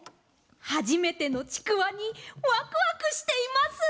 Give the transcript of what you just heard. はじめてのちくわにワクワクしています。